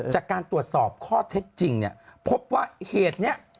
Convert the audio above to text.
จากการตรวจสอบข้อเท็จจริงเนี่ยพบว่าเหตุนี้